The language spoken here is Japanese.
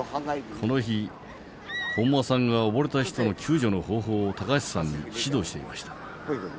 この日本間さんがおぼれた人の救助の方法を橋さんに指導していました。